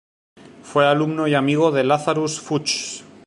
Fue alumno y amigo de Lazarus Fuchs.